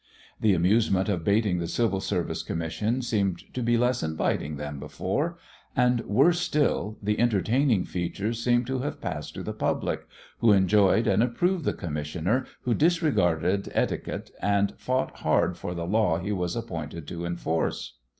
The amusement of baiting the Civil Service Commission seemed to be less inviting than before, and, worse still, the entertaining features seemed to have passed to the public, who enjoyed and approved the commissioner who disregarded etiquette and fought hard for the law he was appointed to enforce.